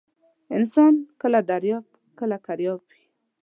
انسان کله درياب ، کله کرياب وى.